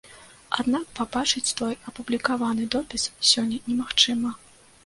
Аднак пабачыць той апублікаваны допіс сёння немагчыма.